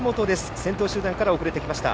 先頭集団から遅れてきました。